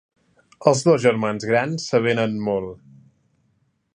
Els dos germans grans s'avenen molt.